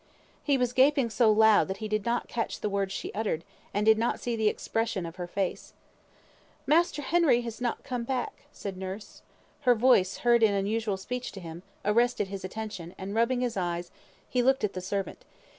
He was gaping so loud that he did not catch the words she uttered, and did not see the expression of her face. "Master Henry is not come back," said nurse. Her voice, heard in unusual speech to him, arrested his attention, and rubbing his eyes, he looked at the servant.